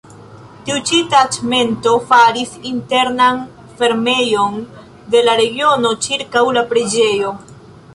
Tiu ĉi taĉmento faris internan fermejon de la regiono ĉirkaŭ la preĝejo.